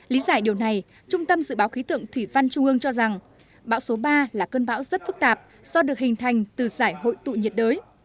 lý giải điều này trung tâm dự báo khí tượng thủy văn trung ương cho rằng bão số ba là cơn bão rất phức tạp do được hình thành từ giải hội tụ nhiệt đới